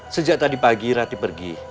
sejak tadi pagi rati pergi